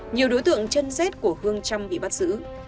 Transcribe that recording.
nhiều đối tượng chân rết của hương trâm bị bắt giữ